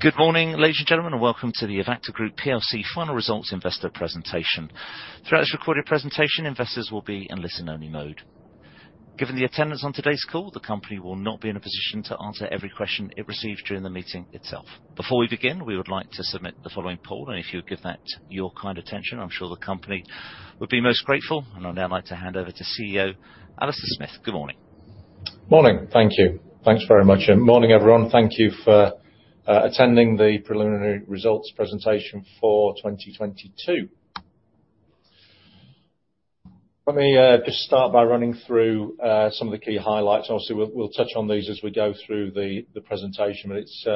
Good morning, ladies and gentlemen, and welcome to the Avacta Group plc final results investor presentation. Throughout this recorded presentation, investors will be in listen-only mode. Given the attendance on today's call, the company will not be in a position to answer every question it receives during the meeting itself. Before we begin, we would like to submit the following poll, and if you would give that your kind attention, I'm sure the company would be most grateful. I'd now like to hand over to CEO, Alastair Smith. Good morning. Morning. Thank you. Thanks very much. Morning, everyone. Thank you for attending the preliminary results presentation for 2022. Let me just start by running through some of the key highlights. Obviously, we'll touch on these as we go through the presentation, but it's...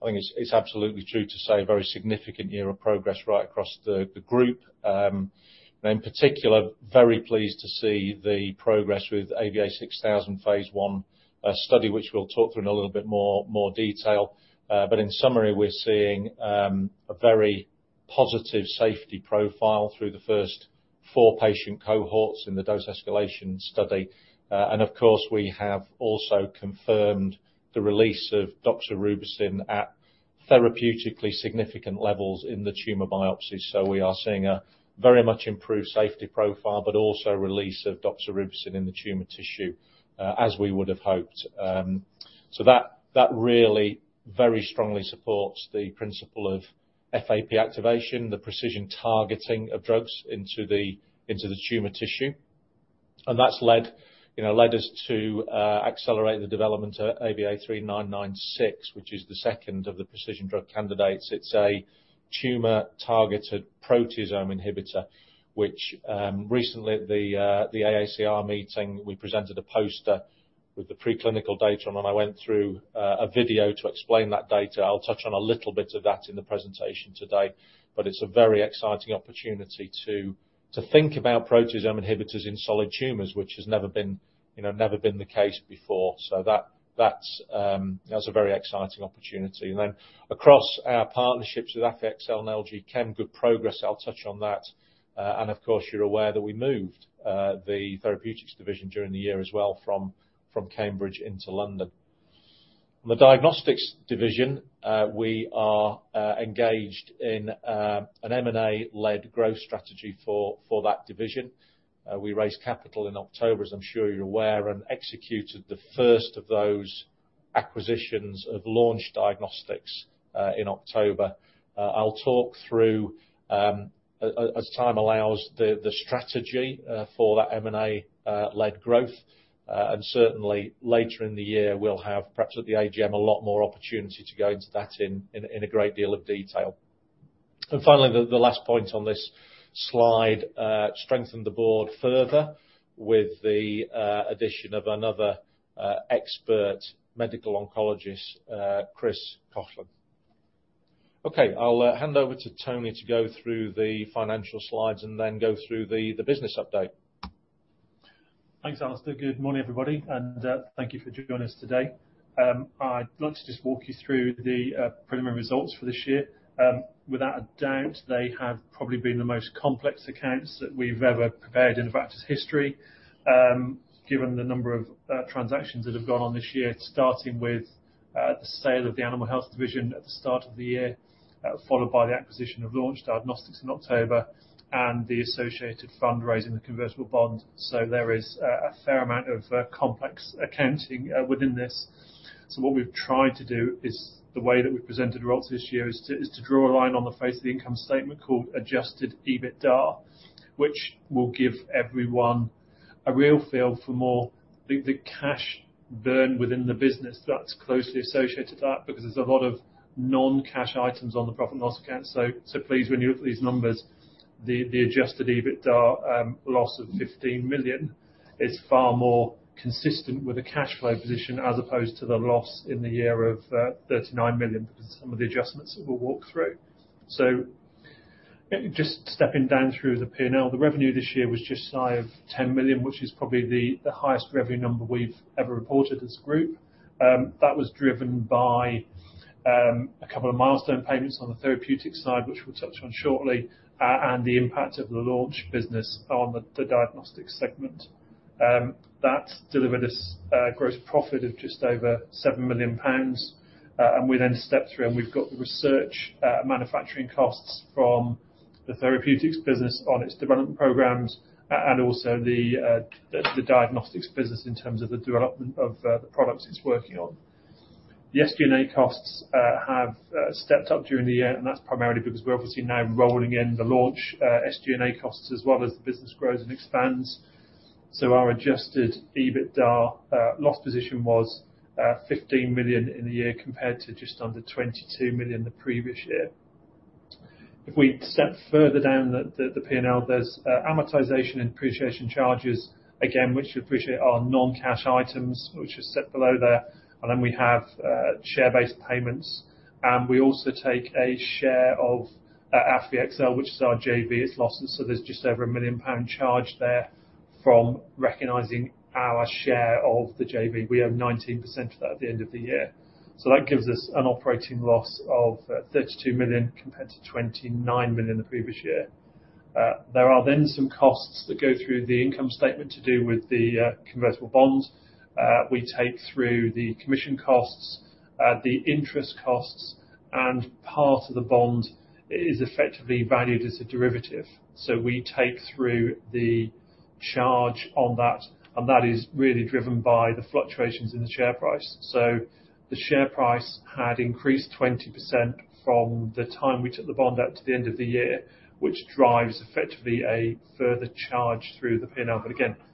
I think it's absolutely true to say a very significant year of progress right across the group. In particular, very pleased to see the progress with AVA6000 phase I study, which we'll talk through in a little bit more detail. In summary, we're seeing a very positive safety profile through the first 4 patient cohorts in the dose escalation study. Of course, we have also confirmed the release of doxorubicin at therapeutically significant levels in the tumor biopsy. We are seeing a very much improved safety profile, but also release of doxorubicin in the tumor tissue, as we would have hoped. That, that really very strongly supports the principle of FAP activation, the pre|CISION targeting of drugs into the, into the tumor tissue. That's led, you know, led us to accelerate the development of AVA3996, which is the second of the pre|CISION drug candidates. It's a tumor-targeted proteasome inhibitor, which, recently at the AACR meeting, we presented a poster with the preclinical data, and then I went through a video to explain that data. I'll touch on a little bit of that in the presentation today, but it's a very exciting opportunity to think about proteasome inhibitors in solid tumors, which has never been, you know, never been the case before. That's a very exciting opportunity. Across our partnerships with AffyXell and LG Chem, good progress. I'll touch on that. Of course, you're aware that we moved the therapeutics division during the year as well from Cambridge into London. In the diagnostics division, we are engaged in an M&A-led growth strategy for that division. We raised capital in October, as I'm sure you're aware, and executed the first of those acquisitions of Launch Diagnostics in October. I'll talk through as time allows the strategy for that M&A led growth. Certainly later in the year, we'll have, perhaps at the AGM, a lot more opportunity to go into that in a great deal of detail. Finally, the last point on this slide, strengthened the board further with the addition of another expert medical oncologist, Chris Coughlin. Okay. I'll hand over to Tony to go through the financial slides and then go through the business update. Thanks, Alastair. Good morning, everybody, and thank you for joining us today. I'd like to just walk you through the preliminary results for this year. Without a doubt, they have probably been the most complex accounts that we've ever prepared in Avacta's history, given the number of transactions that have gone on this year, starting with the sale of the Avacta Animal Health division at the start of the year, followed by the acquisition of Launch Diagnostics in October and the associated fundraising, the convertible bond. There is a fair amount of complex accounting within this. What we've tried to do is the way that we presented results this year is to draw a line on the face of the income statement called Adjusted EBITDA, which will give everyone a real feel for more the cash burn within the business that's closely associated to that because there's a lot of non-cash items on the profit and loss account. Please, when you look at these numbers, the Adjusted EBITDA loss of 15 million is far more consistent with the cash flow position as opposed to the loss in the year of 39 million because of some of the adjustments that we'll walk through. Just stepping down through the P&L. The revenue this year was just shy of 10 million, which is probably the highest revenue number we've ever reported as a group. That was driven by a couple of milestone payments on the therapeutic side, which we'll touch on shortly, and the impact of the Launch Diagnostics business on the diagnostics segment. That delivered us a gross profit of just over 7 million pounds. We then step through, and we've got the research, manufacturing costs from the therapeutics business on its development programs and also the diagnostics business in terms of the development of the products it's working on. The SG&A costs have stepped up during the year, that's primarily because we're obviously now rolling in the Launch Diagnostics SG&A costs as well as the business grows and expands. Our Adjusted EBITDA loss position was 15 million in the year compared to just under 22 million the previous year. If we step further down the P&L, there's amortization and depreciation charges, again, which you appreciate are non-cash items, which are set below there. We have share-based payments. We also take a share of AffyXell, which is our JV, its losses. There's just over a 1 million pound charge there from recognizing our share of the JV. We own 19% of that at the end of the year. That gives us an operating loss of 32 million compared to 29 million the previous year. There are then some costs that go through the income statement to do with the convertible bonds. We take through the commission costs, the interest costs, part of the bond is effectively valued as a derivative. We take through the charge on that, and that is really driven by the fluctuations in the share price. The share price had increased 20% from the time we took the bond out to the end of the year, which drives effectively a further charge through the P&L. Again, that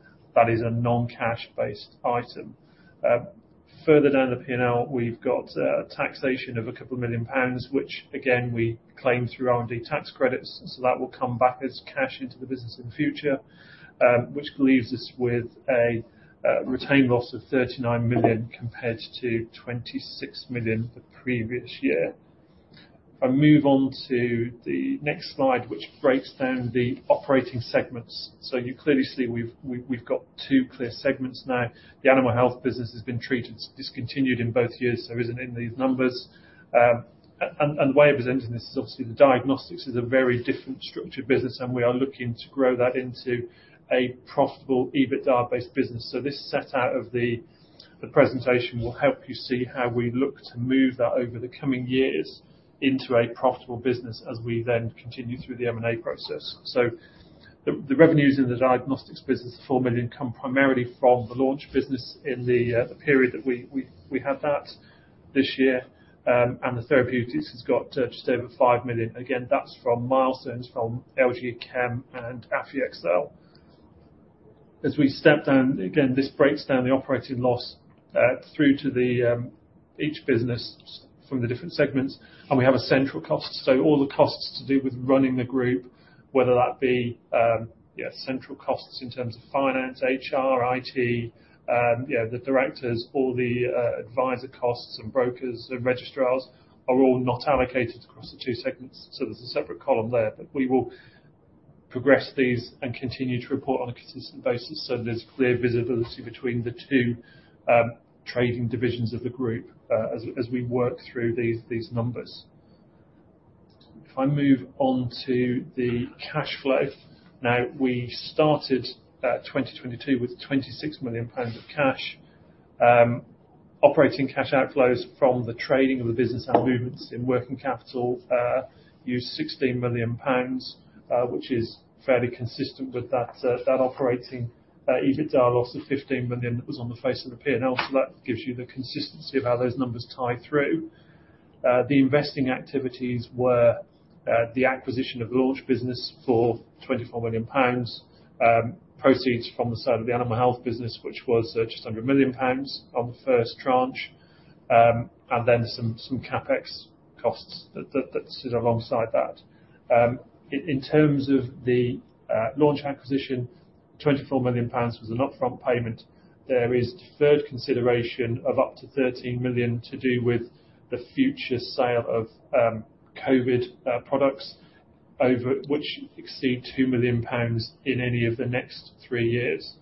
is a non-cash-based item. Further down the P&L, we've got taxation of 2 million pounds, which again, we claim through R&D tax credits, so that will come back as cash into the business in the future, which leaves us with a retained loss of 39 million compared to 26 million the previous year. If I move on to the next slide, which breaks down the operating segments. You clearly see we've got two clear segments now. The Animal Health business has been treated, discontinued in both years, so isn't in these numbers. The way of presenting this is obviously the Diagnostics is a very different structured business, and we are looking to grow that into a profitable EBITDA-based business. This set out of the presentation will help you see how we look to move that over the coming years into a profitable business as we then continue through the M&A process. The, the revenues in the Diagnostics business, 4 million, come primarily from the Launch business in the period that we had that this year. The Therapeutics has got just over 5 million. Again, that's from milestones from LG Chem and Affyxell. As we step down, again, this breaks down the operating loss through to the each business from the different segments, and we have a central cost. All the costs to do with running the group, whether that be central costs in terms of finance, HR, IT, the directors or the advisor costs and brokers and registrars are all not allocated across the 2 segments. There's a separate column there. We will progress these and continue to report on a consistent basis so there's clear visibility between the 2 trading divisions of the group as we work through these numbers. If I move on to the cash flow. We started 2022 with 26 million pounds of cash. Operating cash outflows from the trading of the business and movements in working capital used 16 million pounds, which is fairly consistent with that operating EBITDA loss of 15 million that was on the face of the P&L. That gives you the consistency of how those numbers tie through. The investing activities were the acquisition of Launch Diagnostics business for 24 million pounds, proceeds from the sale of the Avacta Animal Health business, which was just under 1 million pounds on the first tranche, and then some CapEx costs that sit alongside that. In terms of the Launch Diagnostics acquisition, 24 million pounds was an upfront payment. There is deferred consideration of up to 13 million to do with the future sale of COVID products over which exceed 2 million pounds in any of the next three years.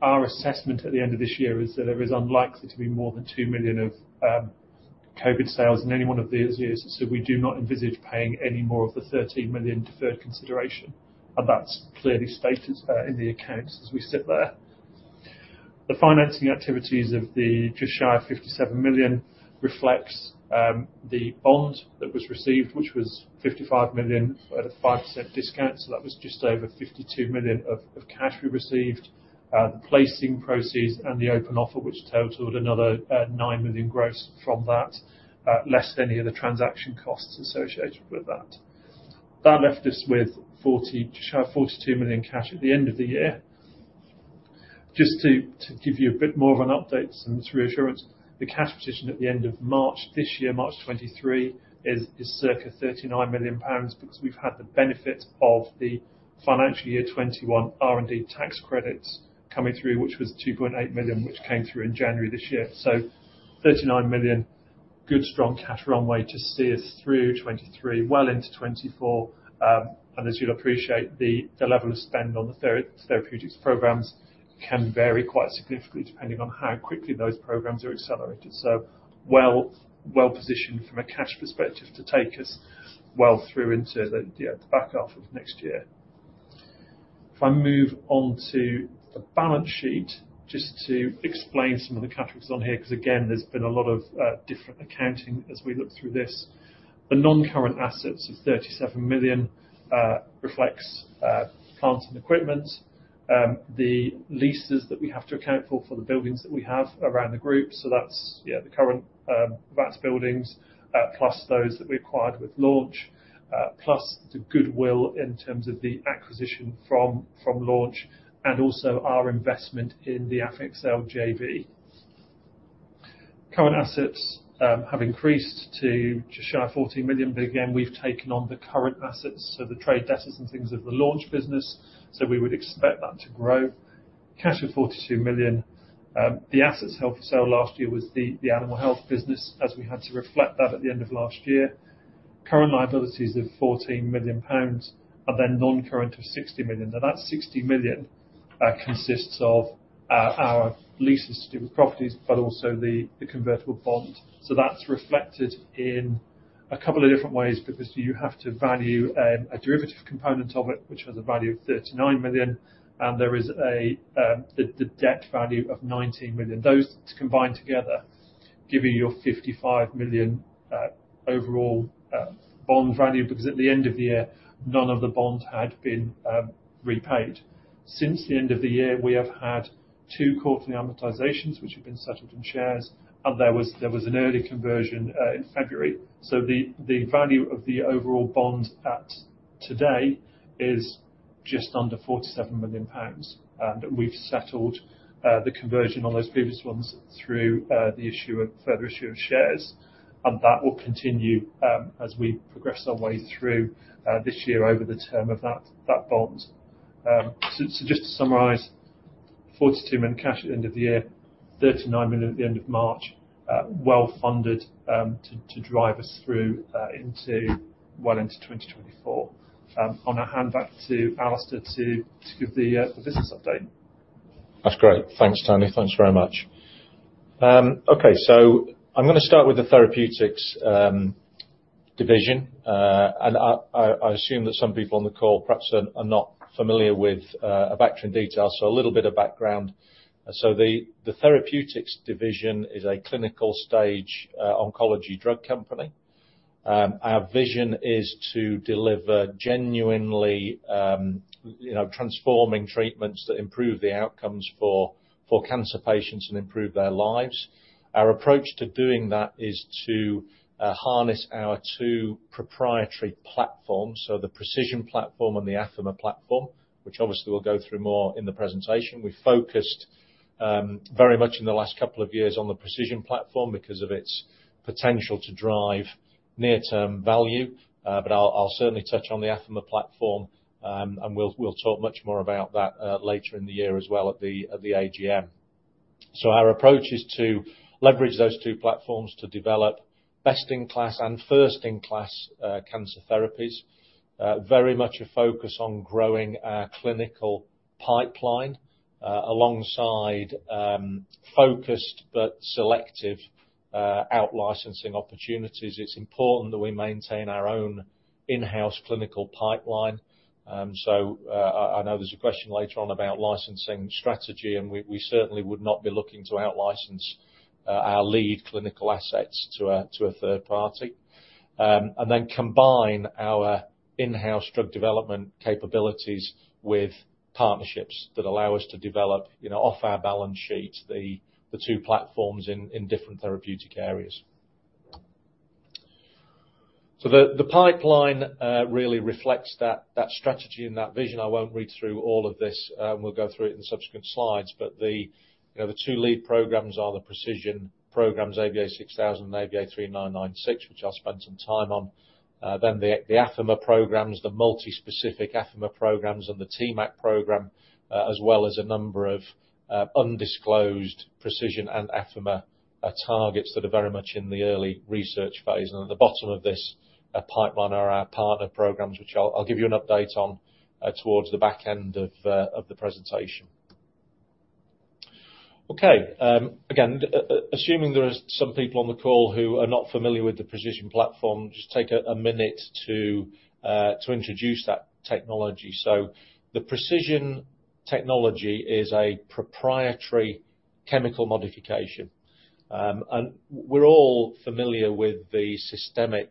Our assessment at the end of this year is that there is unlikely to be more than 2 million of COVID sales in any one of these years, so we do not envisage paying any more of the 13 million deferred consideration. That's clearly stated in the accounts as we sit there. The financing activities of the just shy of 57 million reflects the bond that was received, which was 55 million at a 5% discount, so that was just over 52 million of cash we received. The placing proceeds and the open offer, which totaled another 9 million gross from that, less than any other transaction costs associated with that. That left us with just shy of 42 million cash at the end of the year. Just to give you a bit more of an update and some reassurance, the cash position at the end of March this year, March 2023, is circa 39 million pounds because we've had the benefit of the financial year 2021 R&D tax credits coming through, which was 2.8 million, which came through in January this year. 39 million, good strong cash runway to see us through 2023, well into 2024. As you'll appreciate, the level of spend on the therapeutics programs can vary quite significantly depending on how quickly those programs are accelerated. Well, well-positioned from a cash perspective to take us well through into the back half of next year. If I move on to the balance sheet, just to explain some of the categories on here, because again, there's been a lot of different accounting as we look through this. The non-current assets of 37 million reflects plant and equipment. The leases that we have to account for the buildings that we have around the group. That's the current Vax buildings, plus those that we acquired with Launch, plus the goodwill in terms of the acquisition from Launch, and also our investment in the AffyXell JV. Current assets have increased to just shy of 14 million. Again, we've taken on the current assets, so the trade debtors and things of the Launch business. We would expect that to grow. Cash of 42 million. The assets held for sale last year was the Animal Health business, as we had to reflect that at the end of last year. Current liabilities of GBP 14 million. Then non-current of GBP 60 million. That GBP 60 million consists of our leases to do with properties, also the convertible bond. That's reflected in a couple of different ways because you have to value a derivative component of it, which has a value of 39 million. There is a debt value of 19 million. Those combined together give you your 55 million overall bond value, because at the end of the year, none of the bonds had been repaid. Since the end of the year, we have had two quarterly amortizations, which have been settled in shares, and there was an early conversion in February. The value of the overall bond at today is just under 47 million pounds. We've settled the conversion on those previous ones through the issue of further issue of shares, and that will continue as we progress our way through this year over the term of that bond. Just to summarize, 42 million cash at the end of the year, 39 million at the end of March, well-funded to drive us through into well into 2024. I'm gonna hand back to Alastair to give the business update. That's great. Thanks, Tony. Thanks very much. Okay, so I'm gonna start with the therapeutics division. I assume that some people on the call perhaps are not familiar with Avacta in detail, so a little bit of background. The therapeutics division is a clinical stage oncology drug company. Our vision is to deliver genuinely, you know, transforming treatments that improve the outcomes for cancer patients and improve their lives. Our approach to doing that is to harness our two proprietary platforms, so the pre|CISION platform and the Affimer platform, which obviously we'll go through more in the presentation. We focused very much in the last couple of years on the pre|CISION platform because of its potential to drive near-term value. I'll certainly touch on the Affimer platform, and we'll talk much more about that later in the year as well at the AGM. Our approach is to leverage those two platforms to develop best-in-class and first-in-class cancer therapies. Very much a focus on growing our clinical pipeline alongside focused but selective out-licensing opportunities. It's important that we maintain our own in-house clinical pipeline. I know there's a question later on about licensing strategy, and we certainly would not be looking to out-license our lead clinical assets to a third party. Combine our in-house drug development capabilities with partnerships that allow us to develop, you know, off our balance sheet, the two platforms in different therapeutic areas. The pipeline really reflects that strategy and that vision. I won't read through all of this, we'll go through it in subsequent slides. The, you know, the two lead programs are the pre|CISION programs, AVA6000 and AVA3996, which I'll spend some time on. The Affimer programs, the multi-specific Affimer programs and the TMAC program, as well as a number of undisclosed pre|CISION and Affimer targets that are very much in the early research phase. At the bottom of this pipeline are our partner programs, which I'll give you an update on towards the back end of the presentation. Again, assuming there are some people on the call who are not familiar with the pre|CISION platform, just take a minute to introduce that technology. The pre|CISION technology is a proprietary chemical modification. We're all familiar with the systemic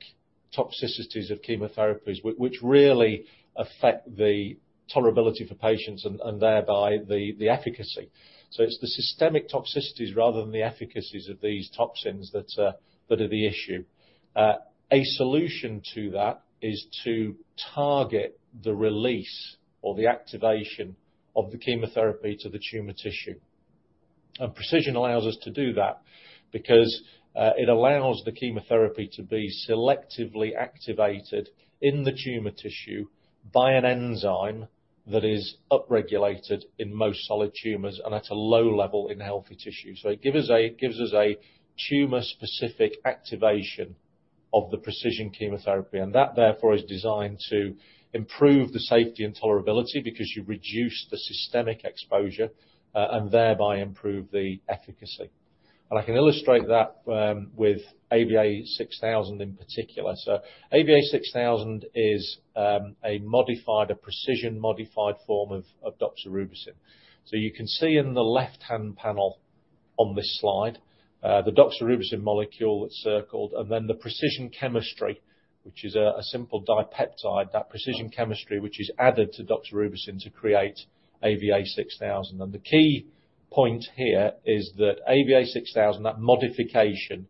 toxicities of chemotherapies which really affect the tolerability for patients and thereby the efficacy. It's the systemic toxicities rather than the efficacies of these toxins that are the issue. A solution to that is to target the release or the activation of the chemotherapy to the tumor tissue. pre|CISION allows us to do that because it allows the chemotherapy to be selectively activated in the tumor tissue by an enzyme that is upregulated in most solid tumors and at a low level in healthy tissue. It gives us a tumor-specific activation of the pre|CISION chemotherapy. That therefore is designed to improve the safety and tolerability because you reduce the systemic exposure and thereby improve the efficacy. I can illustrate that with AVA6000 in particular. AVA6000 is a pre|CISION-modified form of doxorubicin. You can see in the left-hand panel on this slide, the doxorubicin molecule that's circled, and then the pre|CISION chemistry, which is a simple dipeptide, that pre|CISION chemistry which is added to doxorubicin to create AVA6000. The key point here is that AVA6000, that modification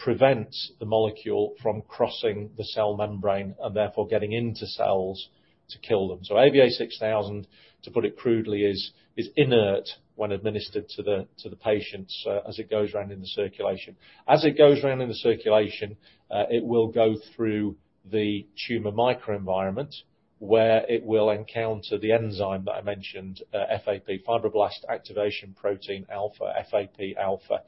prevents the molecule from crossing the cell membrane and therefore getting into cells to kill them. AVA6000, to put it crudely, is inert when administered to the patients as it goes round in the circulation. As it goes round in the circulation, it will go through the tumor microenvironment, where it will encounter the enzyme that I mentioned, FAP, fibroblast activation protein alpha, FAP alpha.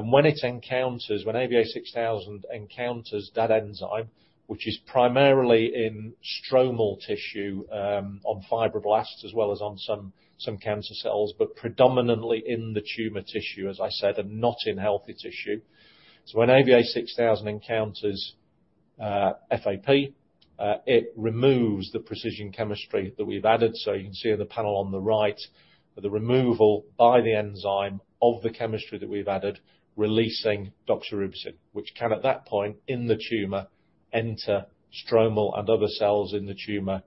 When it encounters, when AVA6000 encounters that enzyme, which is primarily in stromal tissue, on fibroblasts, as well as on some cancer cells, but predominantly in the tumor tissue, as I said, and not in healthy tissue. When AVA6000 encounters FAP. It removes the pre|CISION chemistry that we've added. You can see in the panel on the right, the removal by the enzyme of the chemistry that we've added, releasing doxorubicin, which can, at that point in the tumor, enter stromal and other cells in the tumor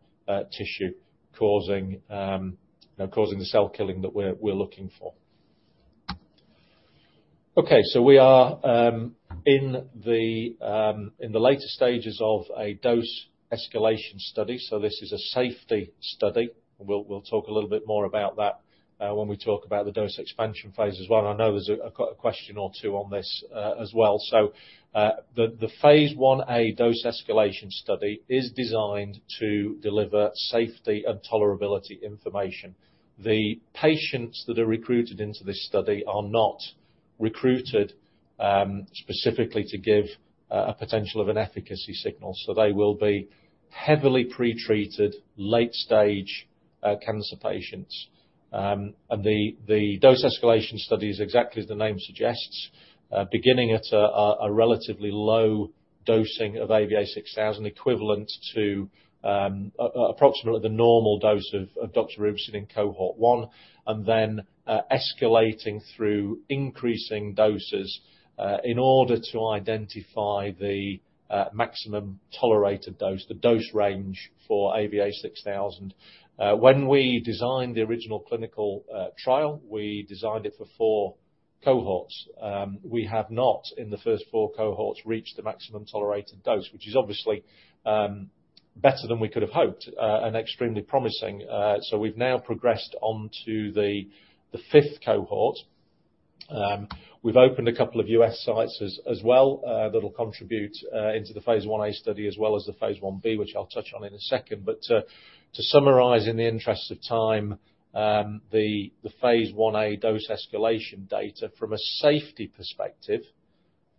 tissue, causing the cell killing that we're looking for. Okay, we are in the later stages of a dose escalation study. This is a safety study. We'll talk a little bit more about that when we talk about the dose expansion phase as well. I know there's a question or two on this as well. The phase I-A dose escalation study is designed to deliver safety and tolerability information. The patients that are recruited into this study are not recruited specifically to give a potential of an efficacy signal. They will be heavily pre-treated, late stage, cancer patients. The dose escalation study is exactly as the name suggests, beginning at a relatively low dosing of AVA6000, equivalent to approximately the normal dose of doxorubicin in cohort one, escalating through increasing doses in order to identify the maximum tolerated dose, the dose range for AVA6000. When we designed the original clinical trial, we designed it for four cohorts. We have not, in the first four cohorts, reached the maximum tolerated dose, which is obviously better than we could have hoped and extremely promising. We've now progressed on to the fifth cohort. We've opened a couple of U.S. sites as well that'll contribute into the phase I-A study as well as the phase I-B, which I'll touch on in a second. To summarize in the interest of time, the phase I-A dose escalation data from a safety perspective,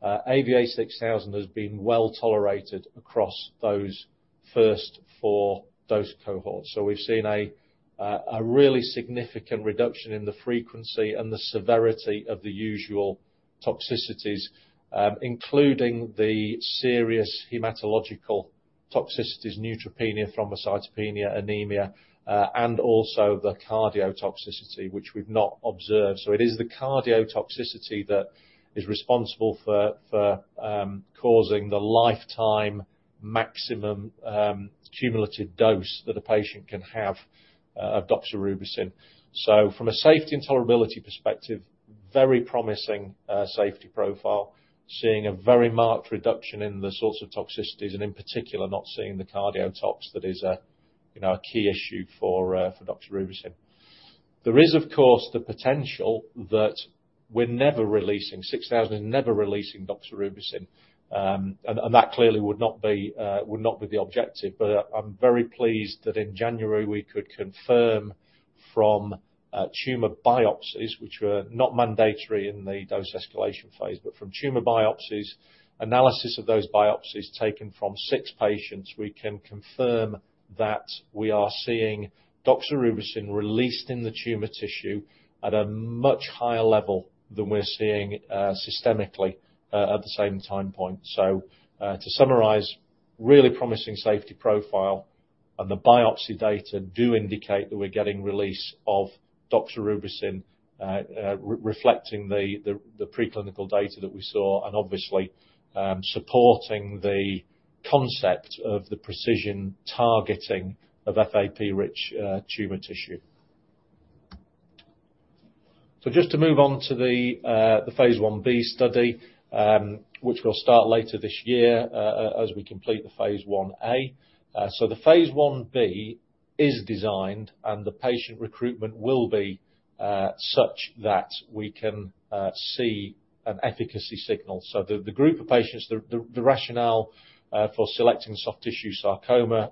AVA6000 has been well-tolerated across those first four dose cohorts. We've seen a really significant reduction in the frequency and the severity of the usual toxicities, including the serious hematological toxicities, neutropenia, thrombocytopenia, anemia, and also the cardiotoxicity, which we've not observed. It is the cardiotoxicity that is responsible for causing the lifetime maximum cumulative dose that a patient can have of doxorubicin. From a safety and tolerability perspective, very promising safety profile. Seeing a very marked reduction in the sorts of toxicities, and in particular, not seeing the cardiotoxicity that is a key issue for doxorubicin. There is, of course, the potential that we're never releasing, AVA6000 is never releasing doxorubicin. That clearly would not be the objective, but I'm very pleased that in January we could confirm from tumor biopsies, which were not mandatory in the dose escalation phase, but from tumor biopsies, analysis of those biopsies taken from six patients, we can confirm that we are seeing doxorubicin released in the tumor tissue at a much higher level than we're seeing systemically at the same time point. To summarize, really promising safety profile, and the biopsy data do indicate that we're getting release of doxorubicin reflecting the preclinical data that we saw, and obviously supporting the concept of the pre|CISION targeting of FAP-rich tumor tissue. Just to move on to the phase I-B study, which will start later this year, as we complete the phase I-A. The phase I-B is designed and the patient recruitment will be such that we can see an efficacy signal. The group of patients, the rationale for selecting soft tissue sarcoma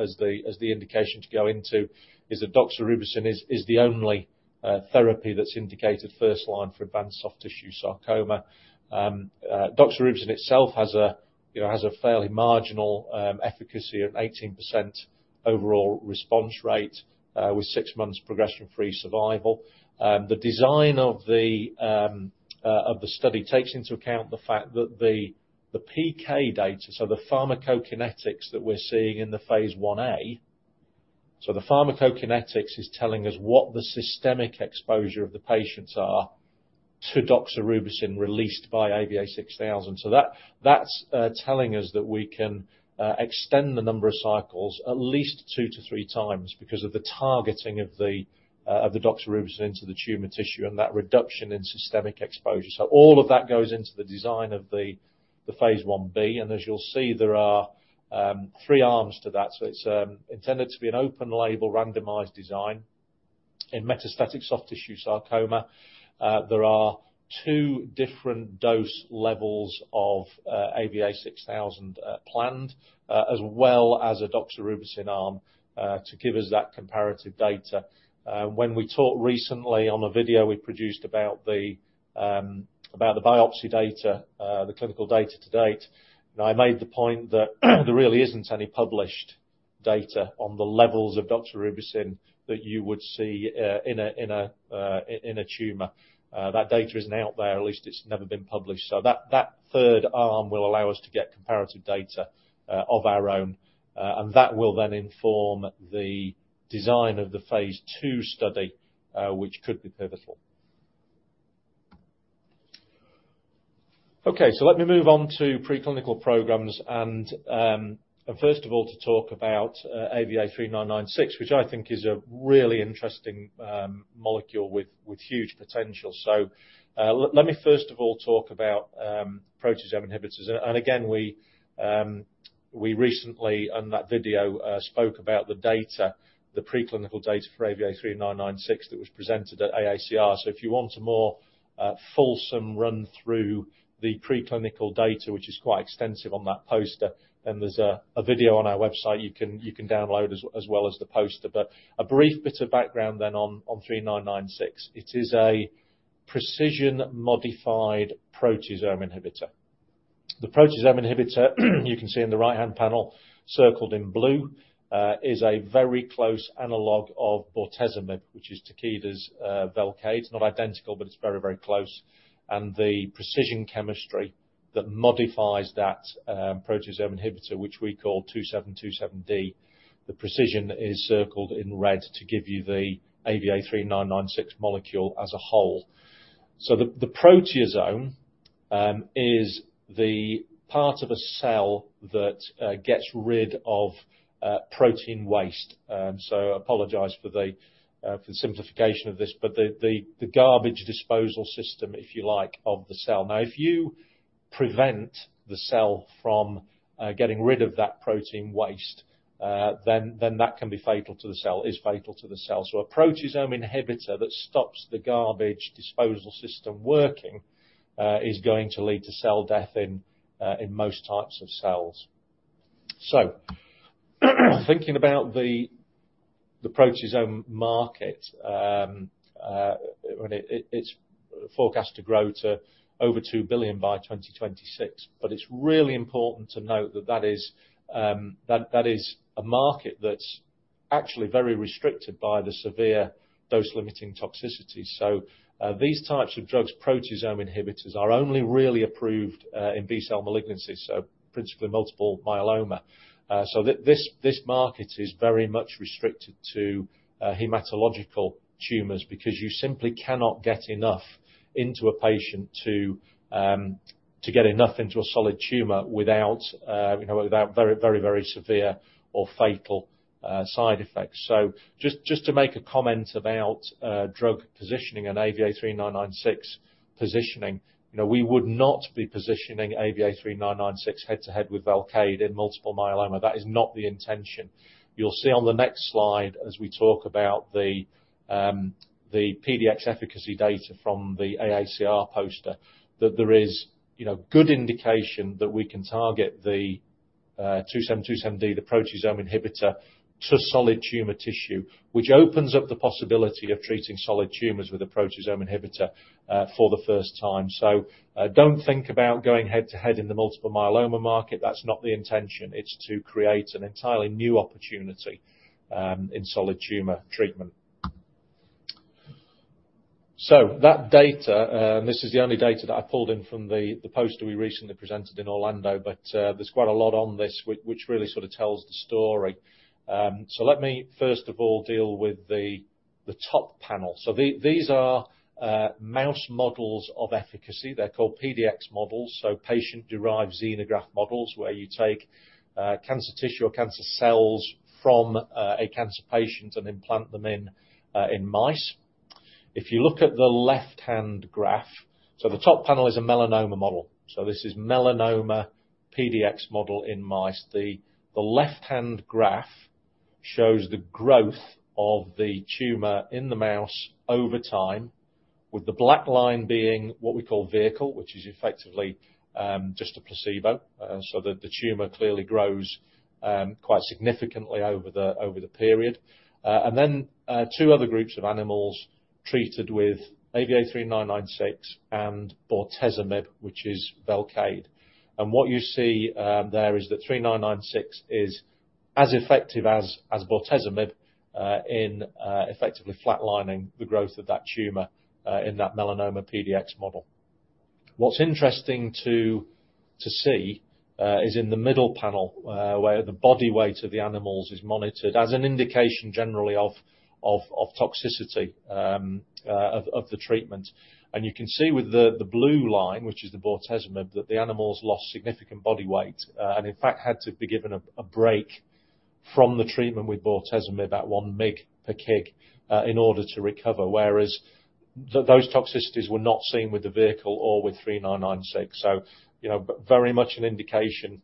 as the indication to go into is that doxorubicin is the only therapy that's indicated first line for advanced soft tissue sarcoma. Doxorubicin itself has a, you know, has a fairly marginal efficacy of 18% overall response rate, with six months progression-free survival. The design of the of the study takes into account the fact that the PK data, so the pharmacokinetics that we're seeing in the phase I-A, so the pharmacokinetics is telling us what the systemic exposure of the patients are to doxorubicin released by AVA6000. That, that's telling us that we can extend the number of cycles at least 2x to 3x because of the targeting of the doxorubicin into the tumor tissue and that reduction in systemic exposure. All of that goes into the design of the phase I-B. As you'll see, there are 3 arms to that. It's intended to be an open label randomized design in metastatic soft tissue sarcoma. There are two different dose levels of AVA6000 planned as well as a doxorubicin arm to give us that comparative data. When we talked recently on a video we produced about the about the biopsy data, the clinical data to date, I made the point that there really isn't any published data on the levels of doxorubicin that you would see in a tumor. That data isn't out there, at least it's never been published. That third arm will allow us to get comparative data of our own, that will then inform the design of the phase II study, which could be pivotal. Okay, let me move on to preclinical programs and first of all, to talk about AVA3996, which I think is a really interesting molecule with huge potential. Let me first of all talk about proteasome inhibitors. Again, we recently in that video spoke about the data, the preclinical data for AVA3996 that was presented at AACR. If you want a more fulsome run through the preclinical data, which is quite extensive on that poster, then there's a video on our website you can download as well as the poster. A brief bit of background then on 3996. It is a pre|CISION-modified proteasome inhibitor. The proteasome inhibitor, you can see in the right-hand panel circled in blue, is a very close analog of bortezomib, which is Takeda's Velcade. It's not identical, but it's very, very close. The pre|CISION chemistry that modifies that proteasome inhibitor, which we call AVA2727D, the pre|CISION is circled in red to give you the AVA3996 molecule as a whole. The proteasome is the part of a cell that gets rid of protein waste. I apologize for the simplification of this, but the garbage disposal system, if you like, of the cell. If you prevent the cell from getting rid of that protein waste, then that can be fatal to the cell, is fatal to the cell. A proteasome inhibitor that stops the garbage disposal system working is going to lead to cell death in most types of cells. Thinking about the proteasome market, when it's forecast to grow to over 2 billion by 2026, but it's really important to note that is a market that's actually very restricted by the severe dose-limiting toxicity. These types of drugs, proteasome inhibitors, are only really approved in B-cell malignancies, so principally multiple myeloma. This market is very much restricted to hematological tumors because you simply cannot get enough into a patient to get enough into a solid tumor without, you know, without very severe or fatal side effects. Just to make a comment about drug positioning and AVA3996 positioning, you know, we would not be positioning AVA3996 head-to-head with Velcade in multiple myeloma. That is not the intention. You'll see on the next slide, as we talk about the PDX efficacy data from the AACR poster, that there is, you know, good indication that we can target the AVA2727D, the proteasome inhibitor, to solid tumor tissue, which opens up the possibility of treating solid tumors with a proteasome inhibitor for the first time. Don't think about going head-to-head in the multiple myeloma market. That's not the intention. It's to create an entirely new opportunity in solid tumor treatment. That data, this is the only data that I pulled in from the poster we recently presented in Orlando, there's quite a lot on this which really sort of tells the story. Let me first of all deal with the top panel. These are mouse models of efficacy. They're called PDX models, so patient-derived xenograft models, where you take cancer tissue or cancer cells from a cancer patient and implant them in mice. If you look at the left-hand graph. The top panel is a melanoma model. This is melanoma PDX model in mice. The, the left-hand graph shows the growth of the tumor in the mouse over time, with the black line being what we call vehicle, which is effectively just a placebo. The tumor clearly grows quite significantly over the period. Two other groups of animals treated with AVA3996 and bortezomib, which is Velcade. What you see there is that 3996 is as effective as bortezomib in effectively flatlining the growth of that tumor in that melanoma PDX model. What's interesting to see is in the middle panel, where the body weight of the animals is monitored as an indication generally of toxicity of the treatment. You can see with the blue line, which is the bortezomib, that the animals lost significant body weight, and in fact, had to be given a break from the treatment with bortezomib at 1 mg per kg, in order to recover, whereas those toxicities were not seen with the vehicle or with 3996. You know, very much an indication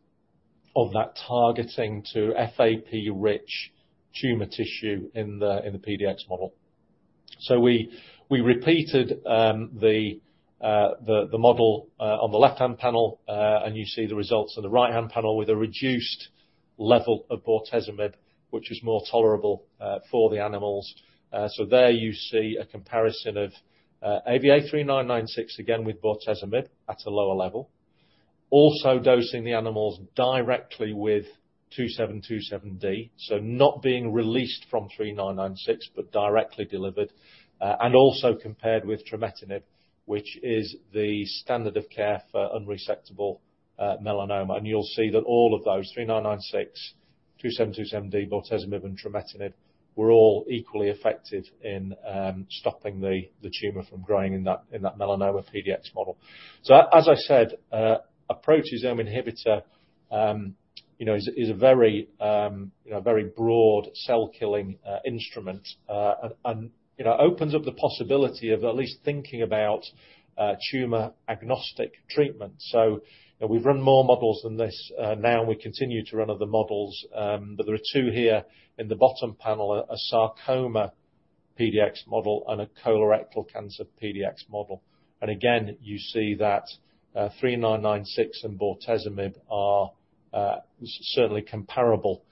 of that targeting to FAP-rich tumor tissue in the PDX model. We repeated the model on the left-hand panel, and you see the results on the right-hand panel with a reduced level of bortezomib, which is more tolerable for the animals. There you see a comparison of AVA3996 again with bortezomib at a lower level. Also dosing the animals directly with 2727D, so not being released from 3996, but directly delivered, and also compared with trametinib, which is the standard of care for unresectable melanoma. You'll see that all of those, 3996, 2727D, bortezomib, and trametinib, were all equally effective in stopping the tumor from growing in that melanoma PDX model. As I said, a proteasome inhibitor, you know, is a very, you know, very broad cell-killing instrument. You know, opens up the possibility of at least thinking about tumor-agnostic treatment. You know, we've run more models than this, now, and we continue to run other models. There are two here in the bottom panel, a sarcoma PDX model and a colorectal cancer PDX model. Again, you see that AVA3996 and bortezomib are certainly comparable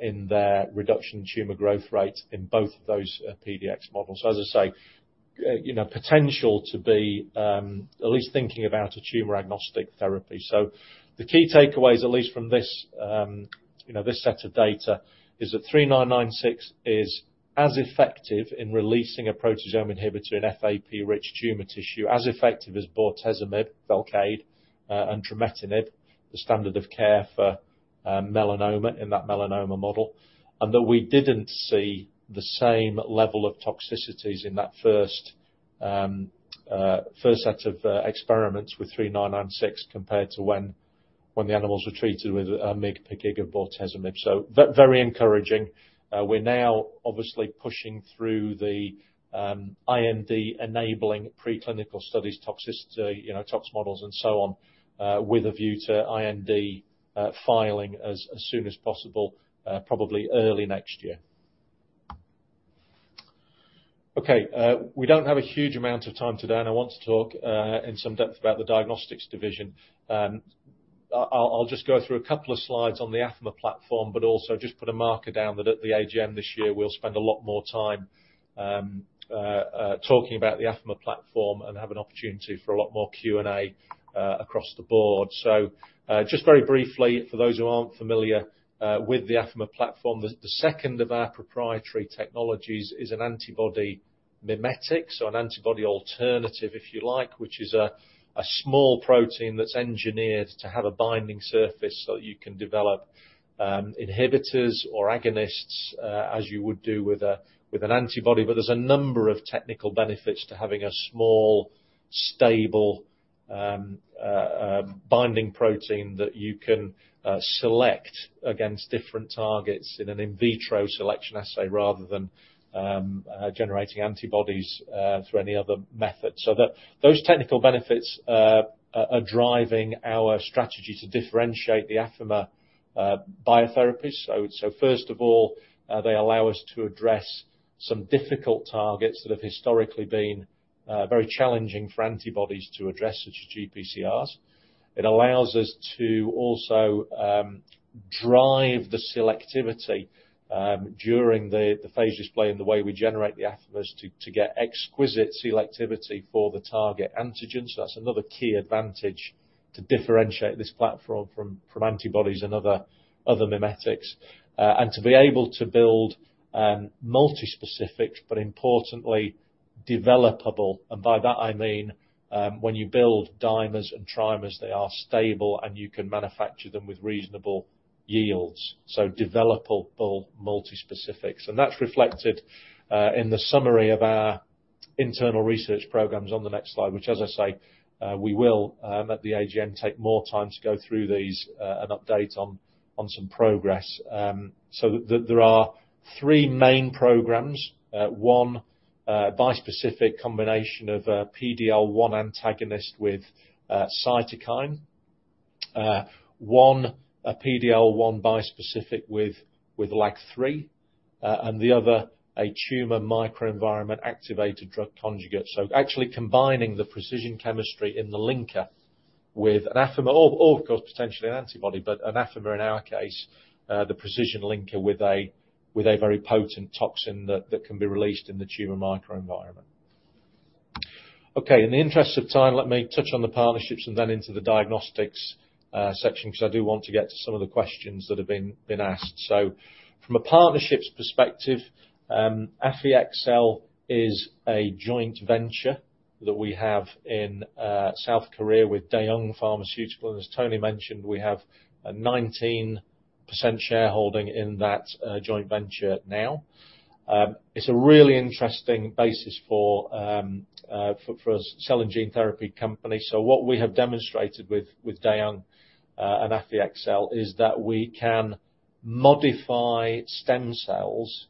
in their reduction in tumor growth rate in both of those PDX models. As I say, you know, potential to be at least thinking about a tumor-agnostic therapy. The key takeaways, at least from this, you know, this set of data, is that AVA3996 is as effective in releasing a proteasome inhibitor in FAP-rich tumor tissue, as effective as bortezomib, Velcade, and trametinib, the standard of care for melanoma in that melanoma model. That we didn't see the same level of toxicities in that first set of experiments with AVA3996 compared to when the animals were treated with 1 mg per kg of bortezomib. Very encouraging. We're now obviously pushing through the IND-enabling preclinical studies, toxicity, you know, tox models and so on, with a view to IND filing as soon as possible, probably early next year. We don't have a huge amount of time today, and I want to talk in some depth about the diagnostics division. I'll just go through a couple of slides on the Affimer platform, but also just put a marker down that at the AGM this year we'll spend a lot more time talking about the Affimer platform and have an opportunity for a lot more Q&A across the board. Just very briefly, for those who aren't familiar with the Affimer platform, the second of our proprietary technologies is an antibody mimetic, so an antibody alternative, if you like, which is a small protein that's engineered to have a binding surface so that you can develop inhibitors or agonists as you would do with an antibody. There's a number of technical benefits to having a small, stable binding protein that you can select against different targets in an in vitro selection assay, rather than generating antibodies through any other method. Those technical benefits are driving our strategy to differentiate the Affimer biotherapies. First of all, they allow us to address some difficult targets that have historically been very challenging for antibodies to address, such as GPCRs. It allows us to also drive the selectivity during the phage display and the way we generate the Affimers to get exquisite selectivity for the target antigens. That's another key advantage to differentiate this platform from antibodies and other mimetics. And to be able to build multispecifics, but importantly developable, and by that I mean, when you build dimers and trimers, they are stable, and you can manufacture them with reasonable yields, so developable multispecifics. And that's reflected in the summary of our internal research programs on the next slide, which, as I say, we will at the AGM, take more time to go through these and update on some progress. So there are three main programs. One bispecific combination of PD-L1 antagonist with cytokine. One, a PD-L1 bispecific with LAG-3. And the other, a tumor microenvironment-activated drug conjugate. Actually combining the pre|CISION chemistry in the linker with an Affimer or of course, potentially an antibody, but an Affimer in our case, the pre|CISION linker with a very potent toxin that can be released in the tumor microenvironment. Okay, in the interest of time, let me touch on the partnerships and then into the diagnostics section, because I do want to get to some of the questions that have been asked. From a partnerships perspective, AffyXell is a joint venture that we have in South Korea with Daewoong Pharmaceutical. As Tony mentioned, we have a 19% shareholding in that joint venture now. It's a really interesting basis for a cell and gene therapy company. What we have demonstrated with Daewoong and AffyXell is that we can modify stem cells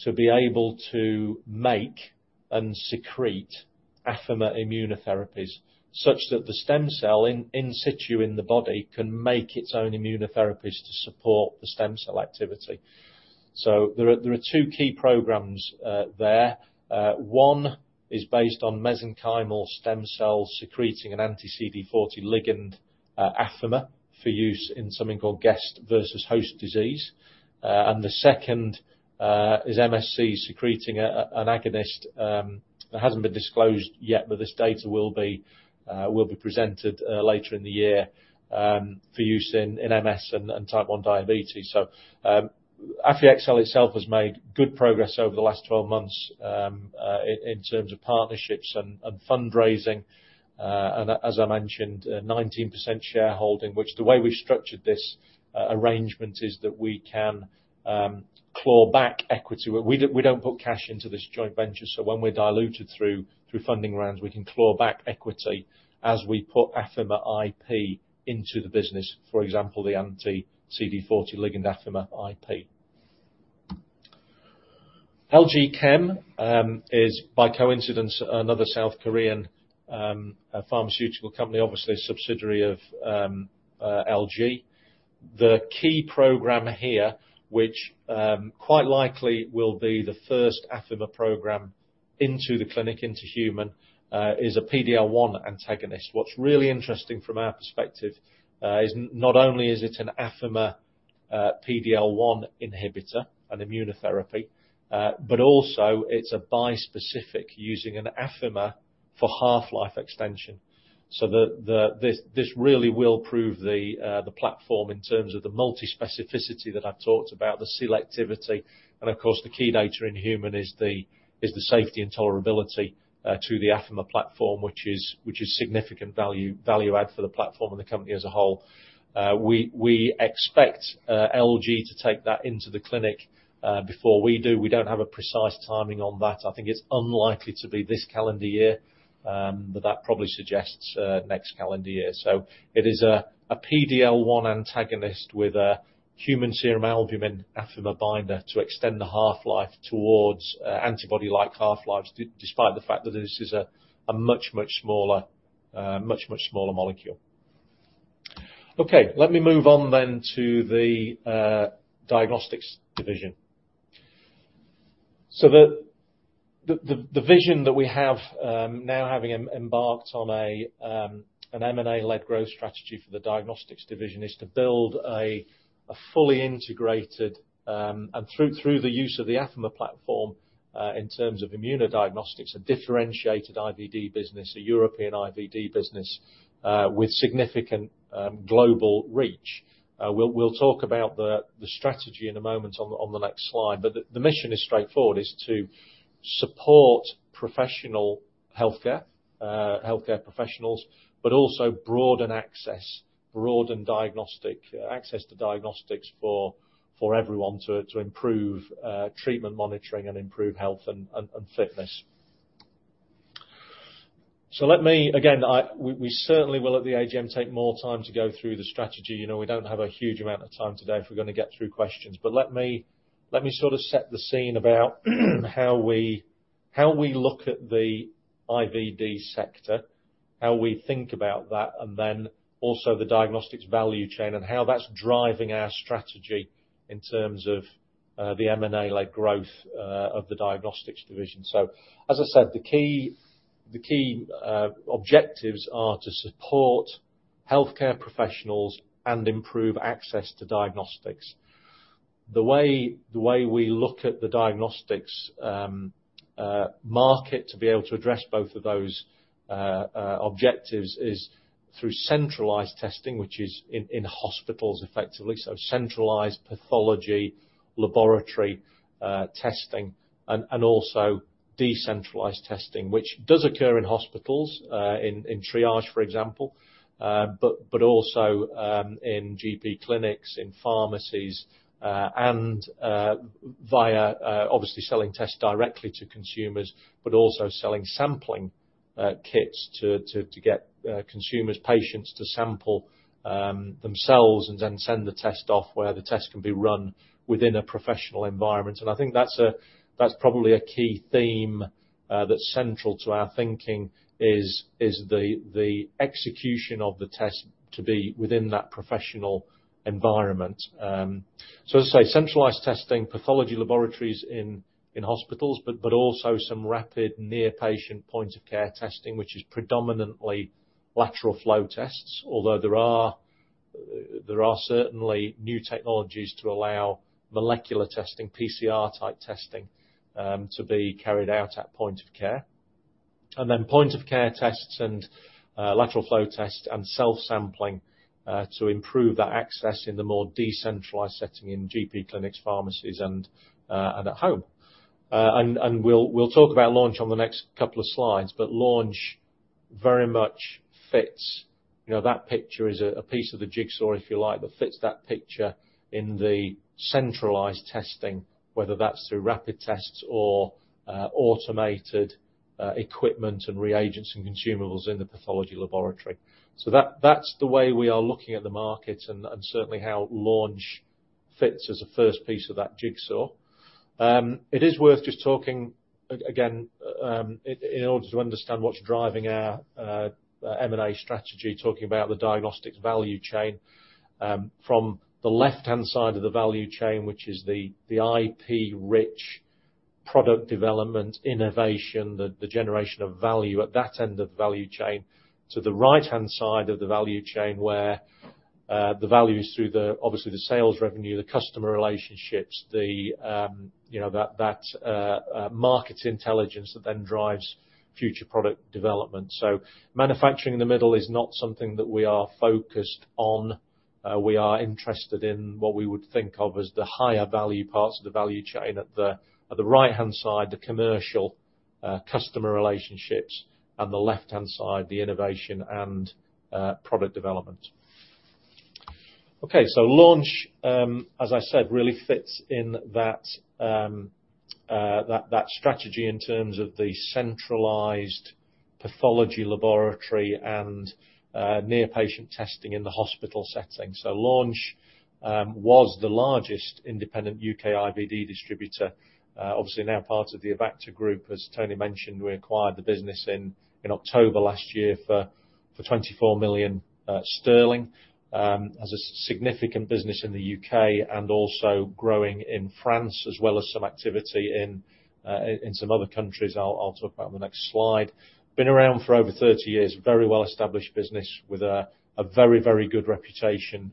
to be able to make and secrete Affimer immunotherapies, such that the stem cell in situ in the body can make its own immunotherapies to support the stem cell activity. There are two key programs there. One is based on mesenchymal stem cells secreting an anti-CD40 ligand Affimer for use in something called graft-versus-host disease. And the second is MSC secreting an agonist that hasn't been disclosed yet, but this data will be presented later in the year for use in MS and type 1 diabetes. AffyXell itself has made good progress over the last 12 months in terms of partnerships and fundraising. As I mentioned, a 19% shareholding, which the way we've structured this arrangement is that we can claw back equity. We don't put cash into this joint venture, so when we're diluted through funding rounds, we can claw back equity as we put Affimer IP into the business, for example, the anti-CD40 ligand Affimer IP. LG Chem is by coincidence, another South Korean pharmaceutical company, obviously a subsidiary of LG. The key program here, which quite likely will be the first Affimer program into the clinic, into human, is a PD-L1 antagonist. What's really interesting from our perspective is not only is it an Affimer PD-L1 inhibitor and immunotherapy, but also it's a bispecific using an Affimer for half-life extension. This really will prove the platform in terms of the multi-specificity that I've talked about, the selectivity. Of course, the key data in human is the safety and tolerability to the Affimer platform, which is significant value add for the platform and the company as a whole. We expect LG to take that into the clinic before we do. We don't have a precise timing on that. I think it's unlikely to be this calendar year, but that probably suggests next calendar year. It is a PD-L1 antagonist with a human serum albumin Affimer binder to extend the half-life towards antibody-like half-lives, despite the fact that this is a much smaller molecule. Let me move on then to the diagnostics division. The vision that we have now having embarked on an M&A-led growth strategy for the diagnostics division is to build a fully integrated and through the use of the Affimer platform in terms of immunodiagnostics, a differentiated IVD business, a European IVD business with significant global reach. We'll talk about the strategy in a moment on the next slide. The mission is straightforward, is to support professional healthcare professionals, but also broaden access, broaden diagnostic access to diagnostics for everyone to improve treatment monitoring and improve health and fitness. Let me again, we certainly will at the AGM, take more time to go through the strategy. You know, we don't have a huge amount of time today if we're gonna get through questions. Let me sort of set the scene about how we look at the IVD sector, how we think about that, and then also the diagnostics value chain and how that's driving our strategy in terms of the M&A led growth of the diagnostics division. As I said, the key objectives are to support healthcare professionals and improve access to diagnostics. The way we look at the diagnostics market to be able to address both of those objectives is through centralized testing, which is in hospitals effectively. Centralized pathology, laboratory testing, and also decentralized testing, which does occur in hospitals, in triage, for example, but also in GP clinics, in pharmacies, and via obviously selling tests directly to consumers, but also selling sampling kits to get consumers, patients to sample themselves and then send the test off where the test can be run within a professional environment. I think that's probably a key theme that's central to our thinking is the execution of the test to be within that professional environment. As I say, centralized testing, pathology laboratories in hospitals, but also some rapid near patient point of care testing, which is predominantly lateral flow tests. Although there are certainly new technologies to allow molecular testing, PCR-type testing, to be carried out at point of care. Point of care tests and lateral flow tests and self-sampling to improve that access in the more decentralized setting in GP clinics, pharmacies and at home. We'll talk about Launch on the next couple of slides, but Launch very much fits. You know, that picture is a piece of the jigsaw, if you like, that fits that picture in the centralized testing, whether that's through rapid tests or automated equipment and reagents and consumables in the pathology laboratory. That's the way we are looking at the market and certainly how Launch fits as a first piece of that jigsaw. It is worth just talking again, in order to understand what's driving our M&A strategy, talking about the diagnostics value chain. From the left-hand side of the value chain, which is the IP-rich product development, innovation, the generation of value at that end of the value chain to the right-hand side of the value chain, where the value is through, obviously, the sales revenue, the customer relationships, you know, that market intelligence that then drives future product development. Manufacturing in the middle is not something that we are focused on. We are interested in what we would think of as the higher value parts of the value chain at the right-hand side, the commercial customer relationships, and the left-hand side, the innovation and product development. Okay. Launch, as I said, really fits in that strategy in terms of the centralized pathology laboratory and near-patient testing in the hospital setting. Launch was the largest independent UK IVD distributor, obviously now part of the Avacta Group. As Tony mentioned, we acquired the business in October last year for 24 million sterling, as a significant business in the U.K. and also growing in France as well as some activity in some other countries I'll talk about in the next slide. Been around for over 30 years. Very well-established business with a very good reputation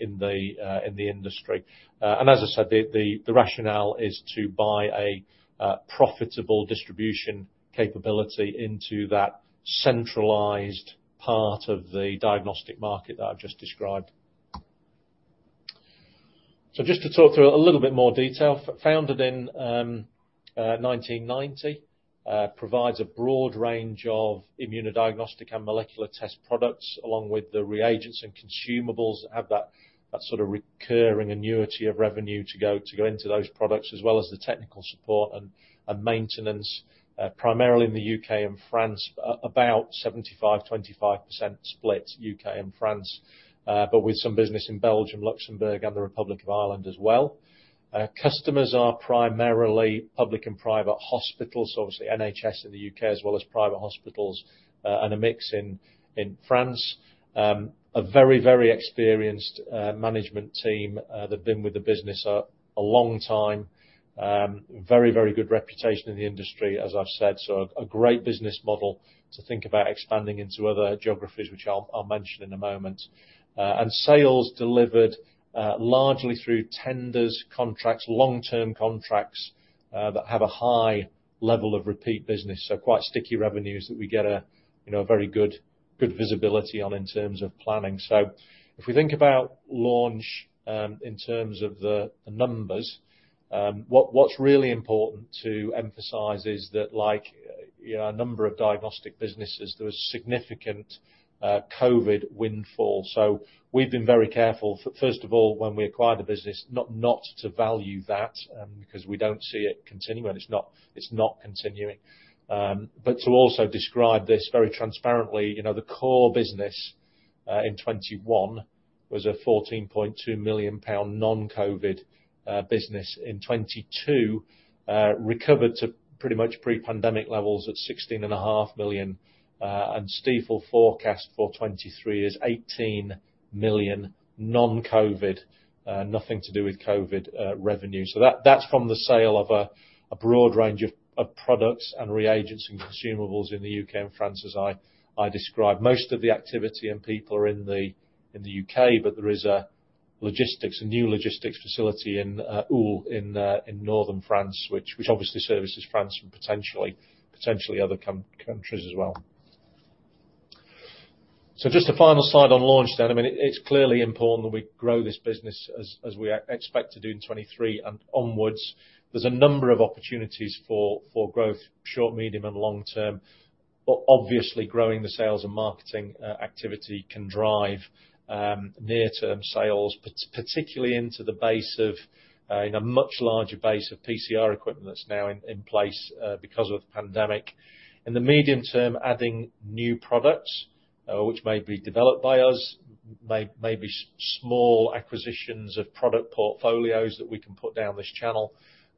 in the industry. As I said, the rationale is to buy a profitable distribution capability into that centralized part of the diagnostic market that I've just described. Just to talk through a little bit more detail. Founded in 1990. Provides a broad range of immunodiagnostic and molecular test products, along with the reagents and consumables that have that sort of recurring annuity of revenue to go into those products, as well as the technical support and maintenance, primarily in the U.K. and France, about 75%/25% split U.K. and France, but with some business in Belgium, Luxembourg, and the Republic of Ireland as well. Customers are primarily public and private hospitals, obviously NHS in the U.K. as well as private hospitals, and a mix in France. A very, very experienced management team that have been with the business a long time. Very, very good reputation in the industry, as I've said, so a great business model to think about expanding into other geographies, which I'll mention in a moment. Sales delivered largely through tenders, contracts, long-term contracts that have a high level of repeat business. Quite sticky revenues that we get, you know, very good visibility on in terms of planning. If we think about Launch, in terms of the numbers, what's really important to emphasize is that like, you know, a number of diagnostic businesses, there was significant COVID windfall. We've been very careful first of all, when we acquired the business, not to value that, because we don't see it continuing, and it's not continuing. To also describe this very transparently, you know, the core business in 21 was a 14.2 million pound non-COVID business. In 22 recovered to pretty much pre-pandemic levels at 16.5 million. Stifel forecast for 23 is 18 million non-COVID, nothing to do with COVID, revenue. That's from the sale of a broad range of products and reagents and consumables in the U.K. and France, as I described. Most of the activity and people are in the U.K., but there is a logistics, a new logistics facility in Lille, in northern France, which obviously services France and potentially other countries as well. Just a final slide on Launch Diagnostics then. I mean, it's clearly important that we grow this business as we expect to do in 23 and onwards. There's a number of opportunities for growth, short, medium, and long term. Obviously growing the sales and marketing activity can drive near-term sales, particularly into the base of a much larger base of PCR equipment that's now in place because of the pandemic. In the medium term, adding new products, which may be developed by us, may be small acquisitions of product portfolios that we can put down this channel.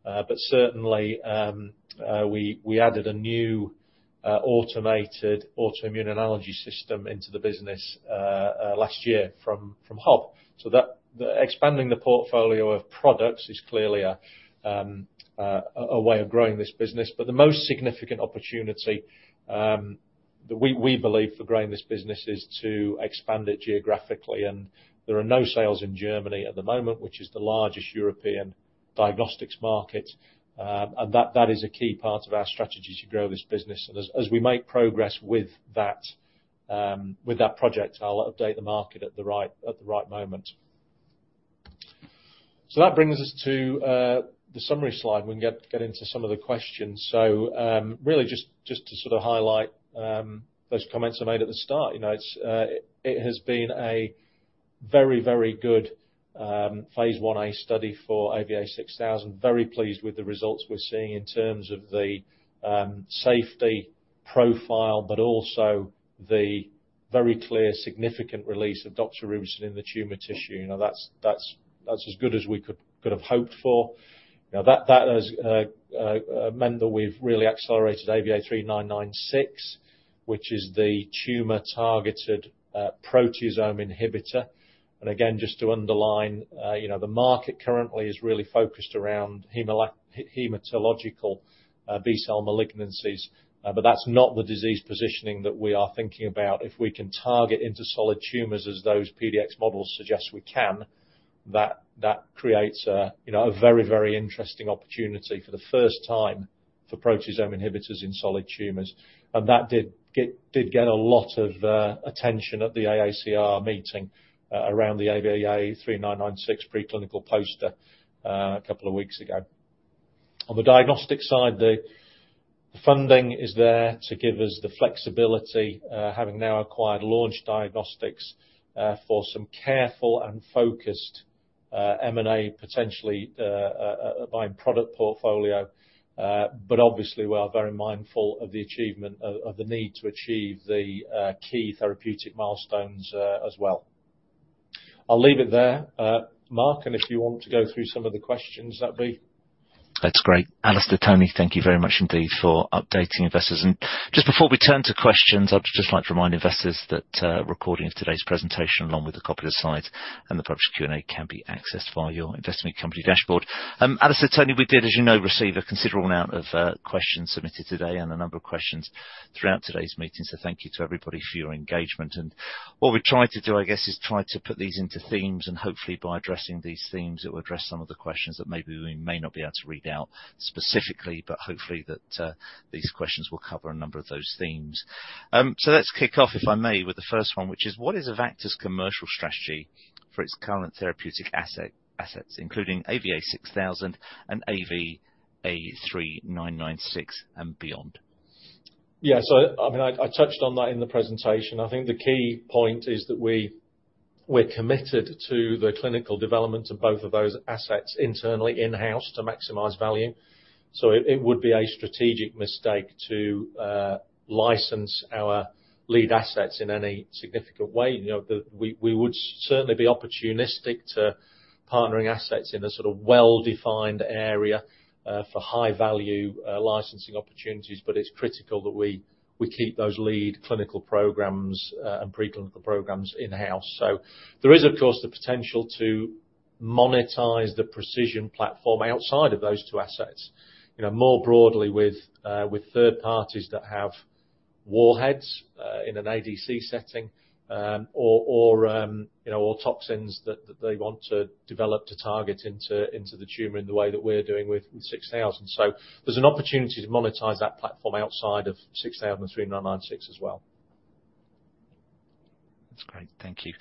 But certainly, we added a new automated autoimmune assay system into the business last year from HOB. Expanding the portfolio of products is clearly a way of growing this business. The most significant opportunity that we believe for growing this business is to expand it geographically. There are no sales in Germany at the moment, which is the largest European diagnostics market. That is a key part of our strategy to grow this business. As we make progress with that project, I'll update the market at the right moment. That brings us to the summary slide. We can get into some of the questions. Really just to sort of highlight, those comments I made at the start. You know, it's, it has been a very, very good, phase I study for AVA6000. Very pleased with the results we're seeing in terms of the safety profile, but also the very clear, significant release of doxorubicin in the tumor tissue. That's as good as we could have hoped for. That, that has meant that we've really accelerated AVA3996, which is the tumor-targeted proteasome inhibitor. Again, just to underline, you know, the market currently is really focused around hematological B-cell malignancies. That's not the disease positioning that we are thinking about. If we can target into solid tumors as those PDX models suggest we can, that creates a, you know, a very, very interesting opportunity for the first time for proteasome inhibitors in solid tumors. That did get a lot of attention at the AACR meeting around the AVA3996 preclinical poster a couple of weeks ago. On the diagnostic side, the funding is there to give us the flexibility, having now acquired Launch Diagnostics, for some careful and focused M&A potentially buying product portfolio. Obviously, we are very mindful of the achievement of the need to achieve the key therapeutic milestones as well. I'll leave it there, Mark, if you want to go through some of the questions, that'd be... That's great. Alastair, Tony, thank you very much indeed for updating investors. Just before we turn to questions, I'd just like to remind investors that recording of today's presentation, along with a copy of the slides and the published Q&A, can be accessed via your investment company dashboard. Alastair, Tony, we did, as you know, receive a considerable amount of questions submitted today and a number of questions throughout today's meeting, so thank you to everybody for your engagement. What we've tried to do, I guess, is try to put these into themes, and hopefully by addressing these themes, it will address some of the questions that maybe we may not be able to read out specifically, but hopefully that these questions will cover a number of those themes. Let's kick off, if I may, with the first one, which is, what is Avacta's commercial strategy for its current therapeutic assets, including AVA6000 and AVA3996 and beyond? I mean, I touched on that in the presentation. I think the key point is that we're committed to the clinical development of both of those assets internally, in-house, to maximize value. It would be a strategic mistake to license our lead assets in any significant way. You know, We would certainly be opportunistic to partnering assets in a sort of well-defined area for high-value licensing opportunities. It's critical that we keep those lead clinical programs and preclinical programs in-house. There is, of course, the potential to monetize the pre|CISION platform outside of those two assets, you know, more broadly with third parties that have warheads in an ADC setting, or, you know, or toxins that they want to develop to target into the tumor in the way that we're doing with AVA6000. There's an opportunity to monetize that platform outside of AVA6000 and AVA3996 as well. That's great. Thank you.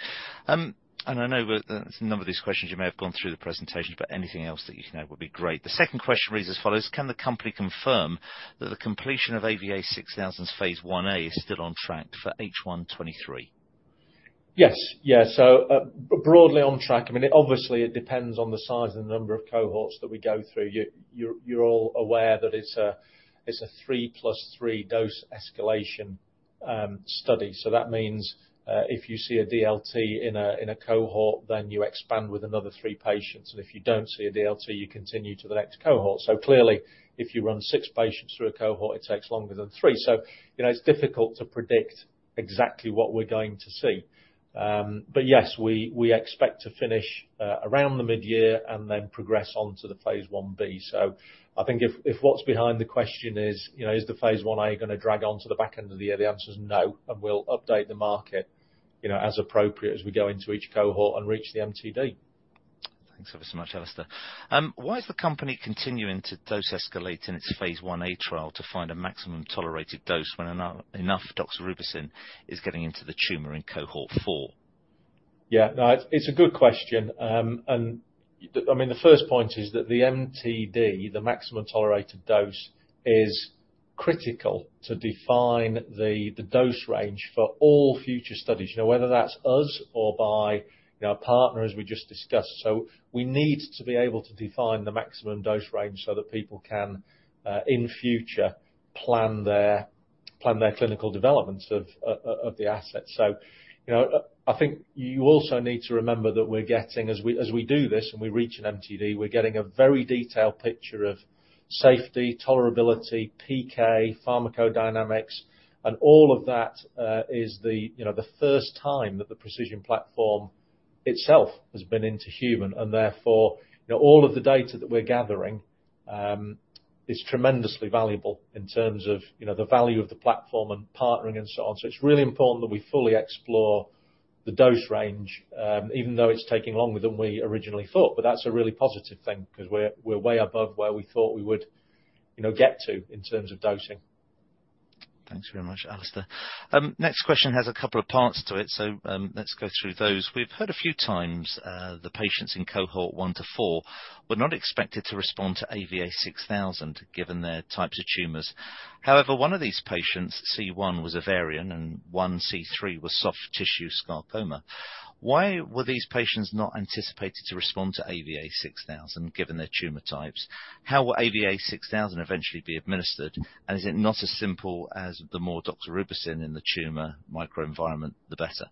I know a number of these questions, you may have gone through the presentation, but anything else that you can add would be great. The second question reads as follows: Can the company confirm that the completion of AVA6000's phase I-A is still on track for H1 2023? Yes. Yeah, broadly on track. I mean, obviously, it depends on the size and number of cohorts that we go through. You're all aware that it's a 3 + 3 dose escalation study. That means if you see a DLT in a cohort, then you expand with another 3 patients, and if you don't see a DLT, you continue to the next cohort. Clearly, if you run 6 patients through a cohort, it takes longer than 3. You know, it's difficult to predict exactly what we're going to see. But yes, we expect to finish around the mid-year and then progress on to the phase I-B. I think if what's behind the question is, you know, is the phase I-A gonna drag on to the back end of the year? The answer is no. We'll update the market, you know, as appropriate as we go into each cohort and reach the MTD. Thanks ever so much, Alastair. Why is the company continuing to dose escalate in its phase I-A trial to find a maximum tolerated dose when enough doxorubicin is getting into the tumor in cohort 4? Yeah. No, it's a good question. I mean, the first point is that the MTD, the maximum tolerated dose, is critical to define the dose range for all future studies, you know, whether that's us or by, you know, a partner as we just discussed. We need to be able to define the maximum dose range so that people can in future, plan their clinical developments of the asset. You know, I think you also need to remember that we're getting as we do this and we reach an MTD, we're getting a very detailed picture of safety, tolerability, PK, pharmacodynamics, and all of that is the, you know, the first time that the pre|CISION platform itself has been into human. Therefore, you know, all of the data that we're gathering is tremendously valuable in terms of, you know, the value of the platform and partnering and so on. It's really important that we fully explore the dose range, even though it's taking longer than we originally thought. That's a really positive thing 'cause we're way above where we thought we would, you know, get to in terms of dosing. Thanks very much, Alastair. Next question has a couple of parts to it, so, let's go through those. We've heard a few times, the patients in cohort 1 to 4 were not expected to respond to AVA6000 given their types of tumors. However, 1 of these patients, C1, was ovarian and 1, C3, was soft tissue sarcoma. Why were these patients not anticipated to respond to AVA6000 given their tumor types? How will AVA6000 eventually be administered? Is it not as simple as the more doxorubicin in the tumor microenvironment, the better?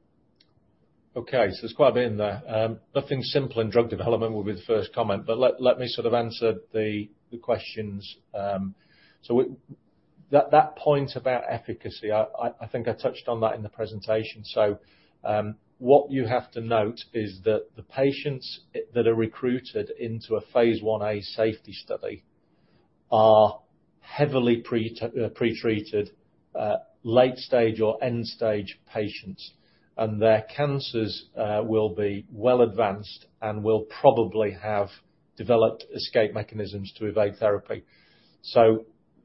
Okay. There's quite a bit in there. Nothing simple in drug development would be the first comment, but let me sort of answer the questions. That point about efficacy, I think I touched on that in the presentation. What you have to note is that the patients that are recruited into a phase I-A safety study are heavily pre-treated, late-stage or end-stage patients, and their cancers will be well advanced and will probably have developed escape mechanisms to evade therapy.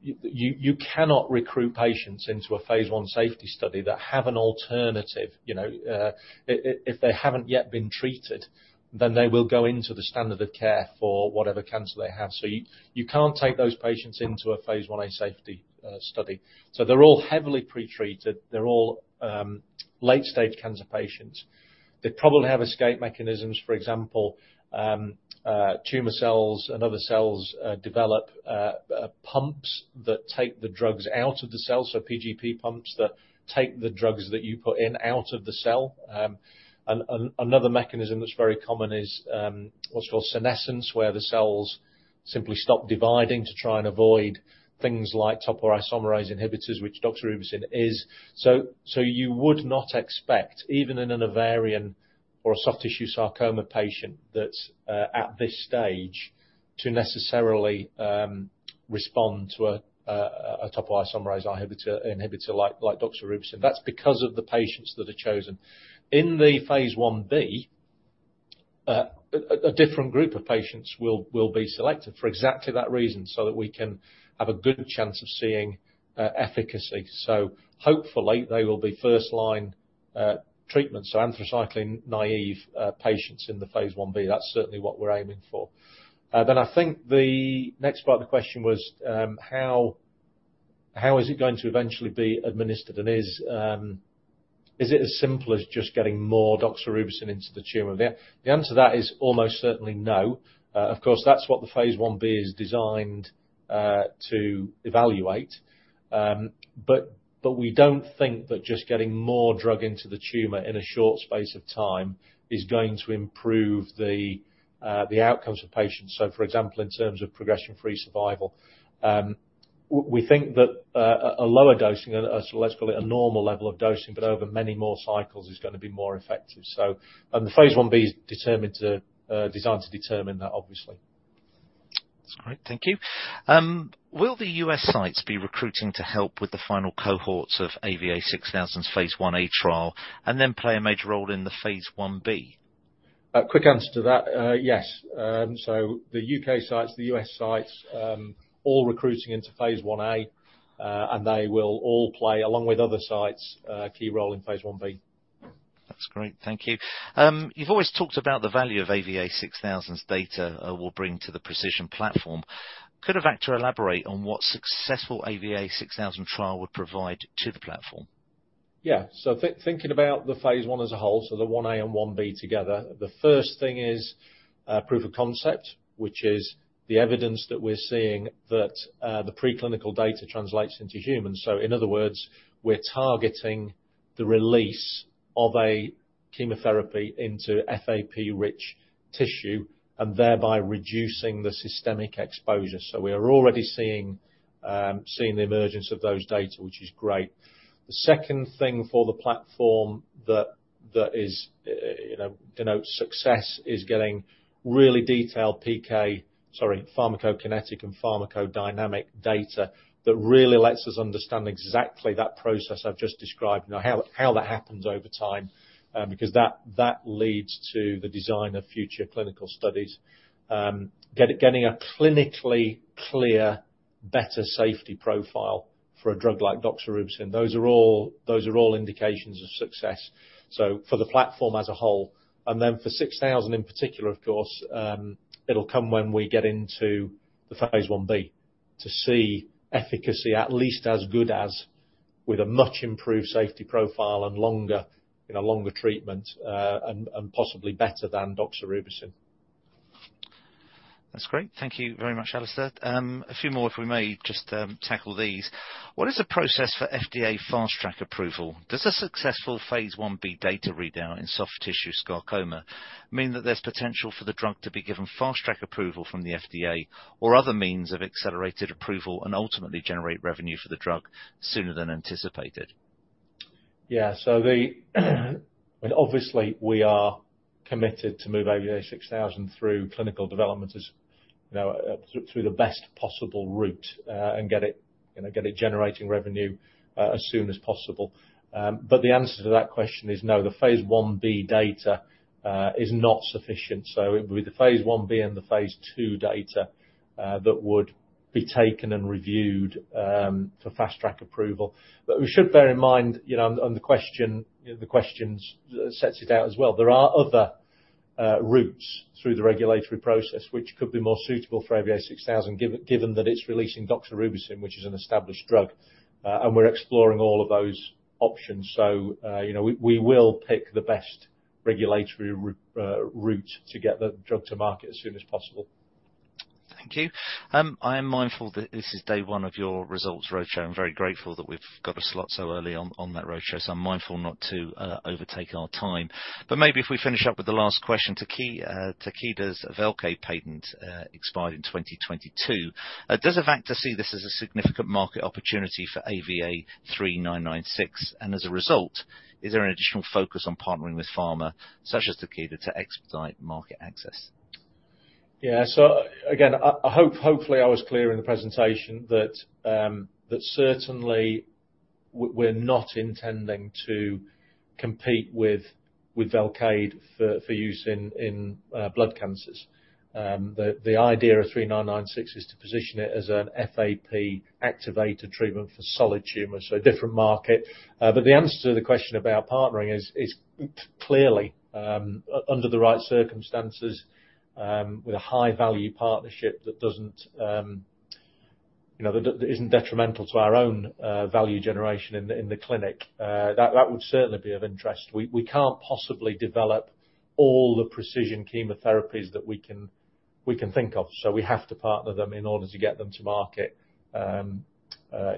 You cannot recruit patients into a phase I safety study that have an alternative, you know, if they haven't yet been treated, then they will go into the standard of care for whatever cancer they have. You can't take those patients into a phase I-A safety study. They're all heavily pre-treated. They're all late stage cancer patients. They probably have escape mechanisms, for example, tumor cells and other cells develop pumps that take the drugs out of the cell, P-glycoprotein pumps that take the drugs that you put in out of the cell. Another mechanism that's very common is what's called senescence, where the cells simply stop dividing to try and avoid things like topoisomerase inhibitors, which doxorubicin is. You would not expect, even in an ovarian or a soft tissue sarcoma patient that's at this stage, to necessarily respond to a topoisomerase inhibitor like doxorubicin. That's because of the patients that are chosen. In the phase I-B, a different group of patients will be selected for exactly that reason, so that we can have a good chance of seeing efficacy. Hopefully they will be first line treatment, so anthracycline-naive patients in the phase I-B. That's certainly what we're aiming for. Then I think the next part of the question was, how is it going to eventually be administered, and is it as simple as just getting more doxorubicin into the tumor? The answer to that is almost certainly no. Of course, that's what the phase I-B is designed to evaluate. But we don't think that just getting more drug into the tumor in a short space of time is going to improve the outcomes for patients. For example, in terms of progression-free survival, we think that, so let's call it a normal level of dosing, but over many more cycles, is gonna be more effective. The phase I-B is designed to determine that, obviously. That's great. Thank you. Will the US sites be recruiting to help with the final cohorts of AVA6000's phase I-A trial and then play a major role in the phase I-B? A quick answer to that, yes. The U.K. sites, the US sites, all recruiting into phase I-A, and they will all play, along with other sites, a key role in phase I-B. That's great. Thank you. You've always talked about the value of AVA6000's data will bring to the pre|CISION platform. Could you in fact elaborate on what successful AVA6000 trial would provide to the platform? Thinking about the phase I as a whole, the 1A and 1B together, the first thing is proof of concept, which is the evidence that we're seeing that the preclinical data translates into humans. In other words, we're targeting the release of a chemotherapy into FAP-rich tissue and thereby reducing the systemic exposure. We are already seeing the emergence of those data, which is great. The second thing for the platform that is, you know, denotes success is getting really detailed PK, sorry, pharmacokinetic and pharmacodynamic data that really lets us understand exactly that process I've just described, you know, how that happens over time, because that leads to the design of future clinical studies. Getting a clinically clear better safety profile for a drug like doxorubicin. Those are all indications of success. For the platform as a whole, and then for AVA6000 in particular, of course, it'll come when we get into the phase I-B to see efficacy at least as good as with a much improved safety profile and longer, you know, longer treatment, and possibly better than doxorubicin. That's great. Thank you very much, Alastair. A few more if we may just tackle these. What is the process for FDA fast track approval? Does a successful phase I-B data readout in soft tissue sarcoma mean that there's potential for the drug to be given fast track approval from the FDA or other means of accelerated approval and ultimately generate revenue for the drug sooner than anticipated? Yeah. The... Obviously, we are committed to move AVA6000 through clinical development as, you know, through the best possible route and get it, you know, get it generating revenue as soon as possible. The answer to that question is no. The phase I-B data is not sufficient. It would be the phase I-B and the phase II data that would be taken and reviewed for fast track approval. We should bear in mind, you know, and the question, you know, the questions sets it out as well. There are other routes through the regulatory process, which could be more suitable for AVA6000 given that it's releasing doxorubicin, which is an established drug. We're exploring all of those options. you know, we will pick the best regulatory route to get the drug to market as soon as possible. Thank you. I am mindful that this is day one of your results roadshow. I'm very grateful that we've got a slot so early on that roadshow, so I'm mindful not to overtake our time. Maybe if we finish up with the last question. Takeda's Velcade patent expired in 2022. Does Avacta see this as a significant market opportunity for AVA3996? As a result, is there an additional focus on partnering with pharma, such as Takeda, to expedite market access? Again, hopefully I was clear in the presentation that certainly we're not intending to compete with Velcade for use in blood cancers. The idea of AVA3996 is to position it as an FAP-activated treatment for solid tumors. Different market. The answer to the question about partnering is clearly, under the right circumstances, with a high value partnership that doesn't, you know, that isn't detrimental to our own value generation in the clinic. That would certainly be of interest. We can't possibly develop all the pre|CISION chemotherapies that we can think of. We have to partner them in order to get them to market, you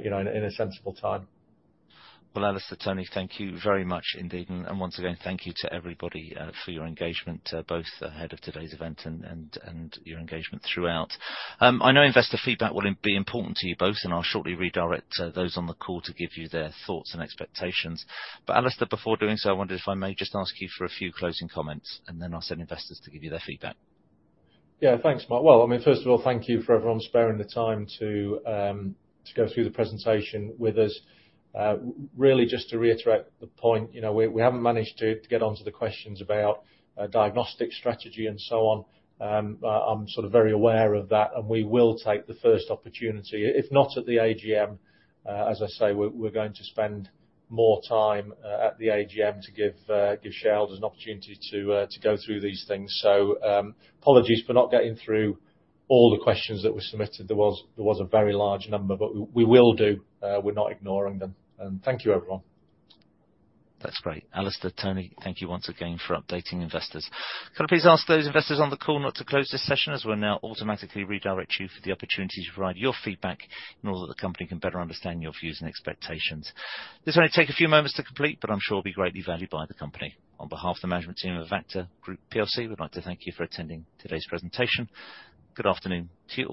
know, in a sensible time. Well, Alastair, Tony, thank you very much indeed. Once again thank you to everybody for your engagement both ahead of today's event and your engagement throughout. I know investor feedback will be important to you both, and I'll shortly redirect those on the call to give you their thoughts and expectations. Alastair, before doing so, I wonder if I may just ask you for a few closing comments, and then I'll send investors to give you their feedback. Thanks, Mark. I mean, first of all, thank you for everyone sparing the time to go through the presentation with us. Really just to reiterate the point, you know, we haven't managed to get onto the questions about diagnostic strategy and so on. I'm sort of very aware of that, and we will take the first opportunity, if not at the AGM, as I say, we're going to spend more time at the AGM to give shareholders an opportunity to go through these things. Apologies for not getting through all the questions that were submitted. There was a very large number. We will do, we're not ignoring them. Thank you, everyone. That's great. Alastair, Tony, thank you once again for updating investors. Can I please ask those investors on the call not to close this session as we'll now automatically redirect you for the opportunity to provide your feedback in order that the company can better understand your views and expectations. This will only take a few moments to complete, but I'm sure will be greatly valued by the company. On behalf of the management team of Avacta Group plc, we'd like to thank you for attending today's presentation. Good afternoon to you all